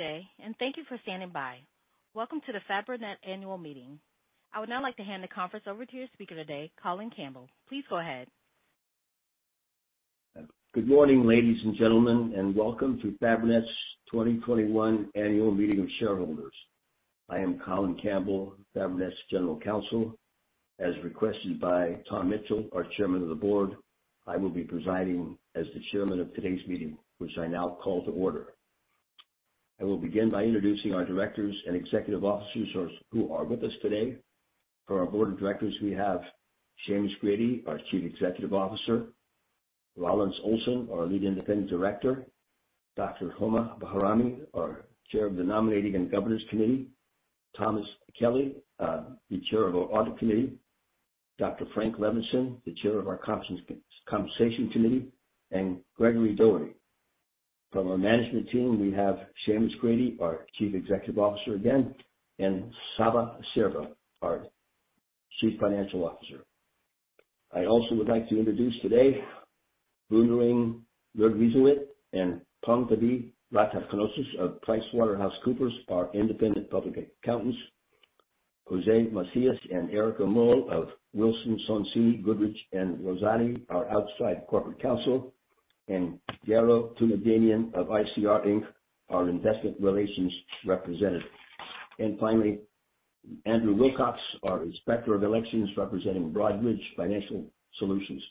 Good day, and thank you for standing by. Welcome to the Fabrinet Annual Meeting. I would now like to hand the conference over to your speaker today, Colin Campbell. Please go ahead. Good morning, ladies and gentlemen, and welcome to Fabrinet's 2021 Annual Meeting of Shareholders. I am Colin Campbell, Fabrinet's General Counsel. As requested by Tom Mitchell, our Chairman of the Board, I will be presiding as the Chairman of today's meeting, which I now call to order. I will begin by introducing our directors and executive officers who are with us today. For our Board of Directors, we have Seamus Grady, our Chief Executive Officer. Rollance Olson, our Lead Independent Director. Dr. Homa Bahrami, our Chair of the Nominating and Governance Committee. Thomas Kelly, the Chair of our Audit Committee. Dr. Frank Levinson, the Chair of our Compensation Committee, and Gregory Dougherty. From our management team, we have Seamus Grady, our Chief Executive Officer again, and Csaba Sverha, our Chief Financial Officer. I also would like to introduce today, [Brunering Rugwezelit] and Pongthavee Ratanakoses of PricewaterhouseCoopers, our independent public accountants. Jose Macias and Erica Muhl of Wilson Sonsini Goodrich & Rosati, our outside corporate counsel. Garo Toomajanian of ICR, Inc., our Investor Relations Representative. Finally, Andrew Wilcox, our Inspector of Elections, representing Broadridge Financial Solutions.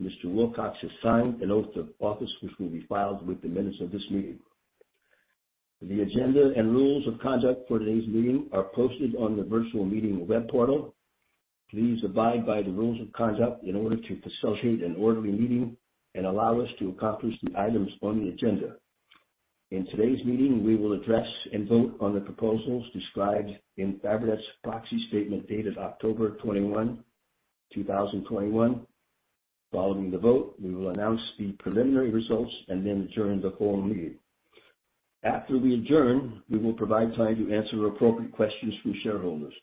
Mr. Wilcox has signed an oath of office, which will be filed with the minutes of this meeting. The agenda and rules of conduct for today's meeting are posted on the virtual meeting web portal. Please abide by the rules of conduct in order to facilitate an orderly meeting and allow us to accomplish the items on the agenda. In today's meeting, we will address and vote on the proposals described in Fabrinet's proxy statement dated October 21, 2021. Following the vote, we will announce the preliminary results and then adjourn the whole meeting. After we adjourn, we will provide time to answer appropriate questions from shareholders.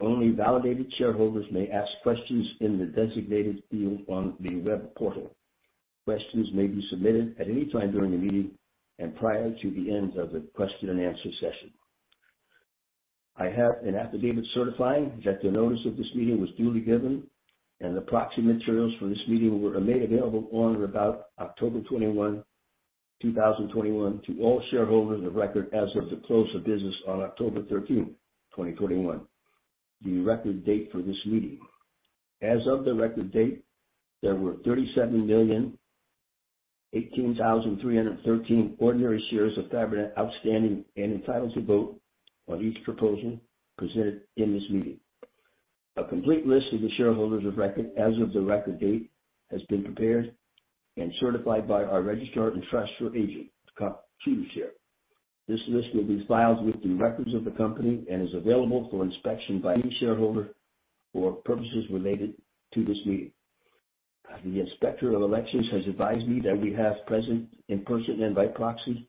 Only validated shareholders may ask questions in the designated field on the web portal. Questions may be submitted at any time during the meeting and prior to the end of the question-and-answer session. I have an affidavit certifying that the notice of this meeting was duly given, and the proxy materials for this meeting were made available on or about October 21, 2021, to all shareholders of record as of the close of business on October 13, 2021, the record date for this meeting. As of the record date, there were 37,018,313 ordinary shares of Fabrinet outstanding and entitled to vote on each proposal presented in this meeting. A complete list of the shareholders of record as of the record date has been prepared and certified by our registrar and transfer agent, Computershare. This list will be filed with the records of the company and is available for inspection by any shareholder for purposes related to this meeting. The Inspector of Elections has advised me that we have present in person and by proxy,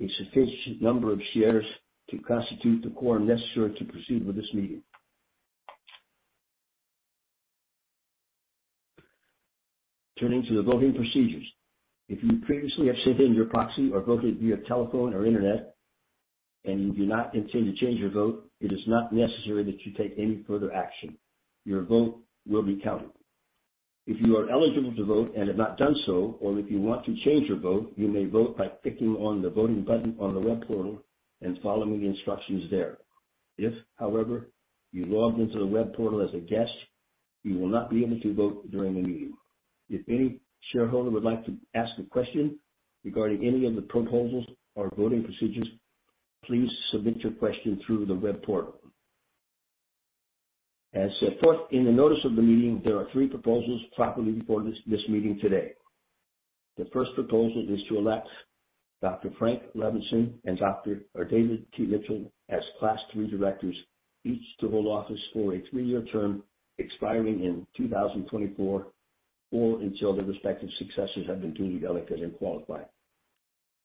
a sufficient number of shares to constitute the quorum necessary to proceed with this meeting. Turning to the voting procedures. If you previously have submitted your proxy or voted via telephone or internet, and you do not intend to change your vote, it is not necessary that you take any further action. Your vote will be counted. If you are eligible to vote and have not done so, or if you want to change your vote, you may vote by clicking on the voting button on the web portal and following the instructions there. If, however, you logged into the web portal as a guest, you will not be able to vote during the meeting. If any shareholder would like to ask a question regarding any of the proposals or voting procedures, please submit your question through the web portal. As set forth in the notice of the meeting, there are three proposals properly before this meeting today. The first proposal is to elect Dr. Frank Levinson and David T. Mitchell as Class III directors, each to hold office for a three-year term expiring in 2024, or until their respective successors have been duly elected and qualify.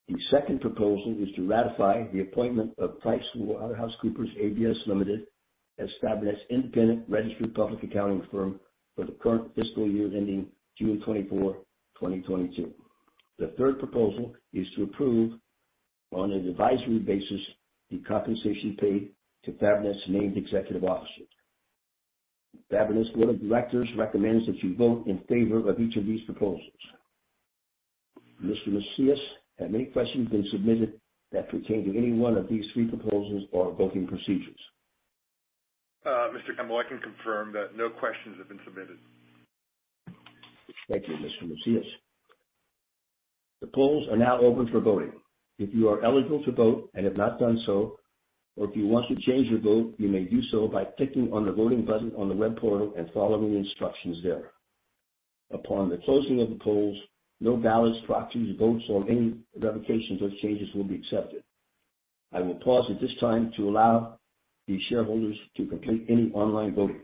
The second proposal is to ratify the appointment of PricewaterhouseCoopers ABAS Limited, as Fabrinet's independent registered public accounting firm for the current fiscal year ending June 24, 2022. The third proposal is to approve, on an advisory basis, the compensation paid to Fabrinet's named executive officers. Fabrinet's Board of Directors recommends that you vote in favor of each of these proposals. Mr. Macias, have any questions been submitted that pertain to any one of these three proposals or voting procedures? Mr. Campbell, I can confirm that no questions have been submitted. Thank you, Mr. Macias. The polls are now open for voting. If you are eligible to vote and have not done so, or if you want to change your vote, you may do so by clicking on the voting button on the web portal and following the instructions there. Upon the closing of the polls, no ballots, proxies, votes, or any revocations or changes will be accepted. I will pause at this time to allow the shareholders to complete any online voting.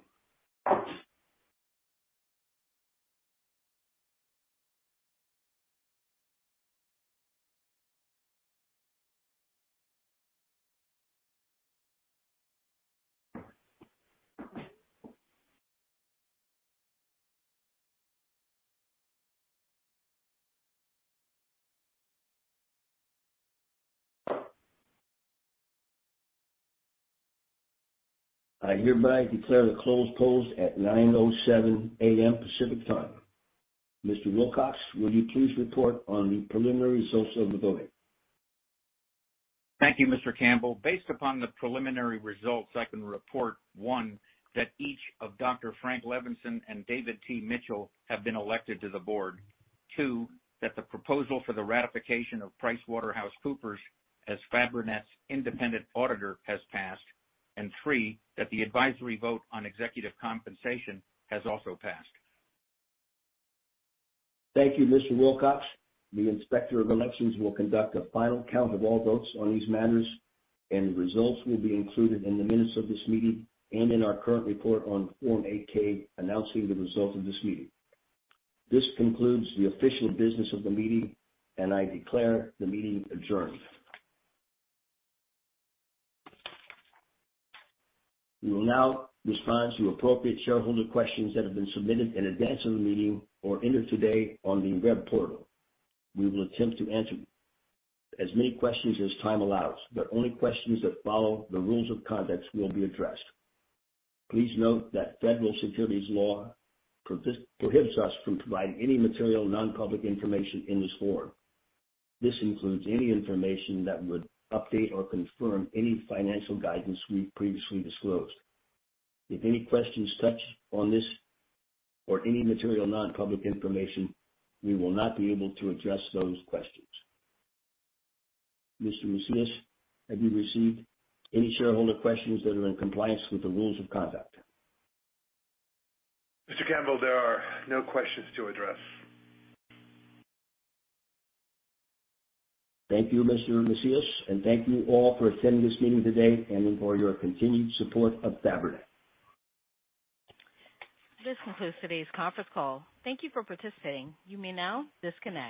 I hereby declare the polls closed at 9:07 A.M. Pacific Time. Mr. Wilcox, will you please report on the preliminary results of the voting? Thank you, Mr. Campbell. Based upon the preliminary results, I can report, one, that each of Dr. Frank Levinson and David T. Mitchell have been elected to the Board. Two, that the proposal for the ratification of PricewaterhouseCoopers as Fabrinet's independent auditor has passed. Three, that the advisory vote on executive compensation has also passed. Thank you, Mr. Wilcox. The Inspector of Elections will conduct a final count of all votes on these matters, and results will be included in the minutes of this meeting and in our current report on Form 8-K announcing the results of this meeting. This concludes the official business of the meeting, and I declare the meeting adjourned. We will now respond to appropriate shareholder questions that have been submitted in advance of the meeting or entered today on the web portal. We will attempt to answer as many questions as time allows, but only questions that follow the rules of conduct will be addressed. Please note that federal securities law prohibits us from providing any material non-public information in this forum. This includes any information that would update or confirm any financial guidance we've previously disclosed. If any questions touch on this or any material non-public information, we will not be able to address those questions. Mr. Macias, have you received any shareholder questions that are in compliance with the rules of conduct? Mr. Campbell, there are no questions to address. Thank you, Mr. Macias, and thank you all for attending this meeting today and for your continued support of Fabrinet. This concludes today's conference call. Thank you for participating. You may now disconnect.